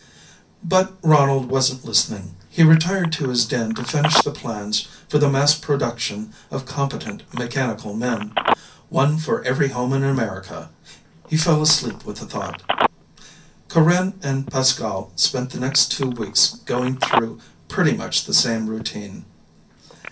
But Ronald wasn't listening. He retired to his den to finish the plans for the mass production of competent mechanical men. One for every home in America.... He fell asleep with the thought. Corinne and Pascal spent the next two weeks going through pretty much the same routine.